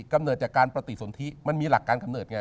กำเนิดจากการปฏิสนทิมันมีหลักการกำเนิดไง